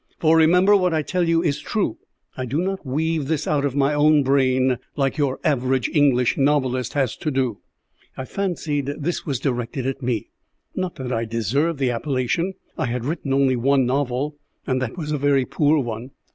For, remember, what I tell you is true. I do not weave this out of my own brain like your average English novelist has to do." I fancied this was directed at me. Not that I deserved the appellation. I had written only one novel, and that was a very poor one.